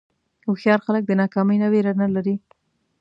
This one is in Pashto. هوښیار خلک د ناکامۍ نه وېره نه لري.